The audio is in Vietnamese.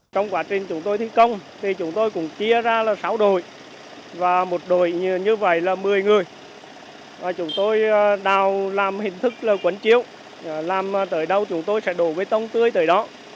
tôi đào làm hình thức quấn chiếu làm tới đâu chúng tôi sẽ đổ bê tông tươi tới đó